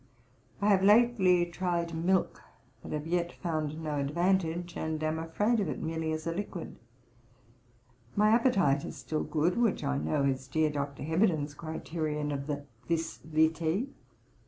I have lately tried milk, but have yet found no advantage, and am afraid of it merely as a liquid. My appetite is still good, which I know is dear Dr. Heberden's criterion of the vis vitoe.